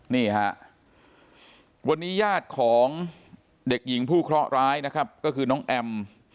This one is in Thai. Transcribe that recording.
นี่ฮะวันนี้ญาติของเด็กหญิงผู้เคราะห์ร้ายนะครับก็คือน้องแอม